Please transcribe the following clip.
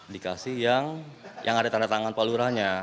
dikasih yang ada tanda tangan palurannya